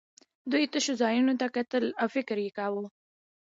دوی تشو ځایونو ته کتل او فکر یې کاوه